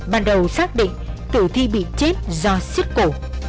bắn đầu xác định tử thi bị chết do xích cổ